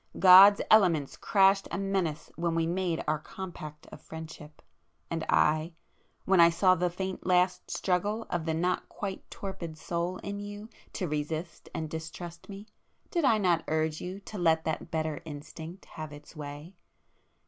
God's elements crashed a menace when we made our compact of friendship! And I,—when I saw the faint last struggle of the not quite torpid soul in you to resist and distrust me, did I not urge you to let that better instinct have its way?